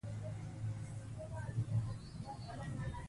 که پښتو ځانګړې نښې ولري لیکل به اسانه شي.